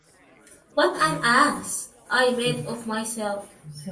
What an ass I made of myself!